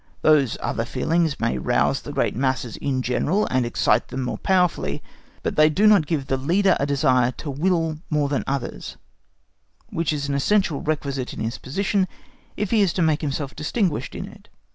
Those other feelings may rouse the great masses in general, and excite them more powerfully, but they do not give the Leader a desire to will more than others, which is an essential requisite in his position if he is to make himself distinguished in it.